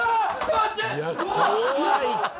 待って！